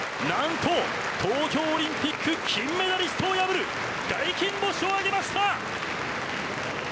なんと東京オリンピック金メダリストを破る大金星を挙げました！